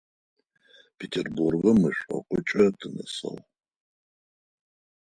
Петербургым мэшӏокукӏэ тынэсыгъ.